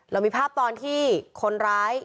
เรามีภาพตอนที่คนร้าย